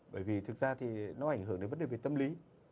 bởi vì thực ra thì nó ảnh hưởng đến vấn đề về tâm lý